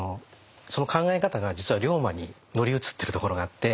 その考え方が実は龍馬に乗り移ってるところがあって。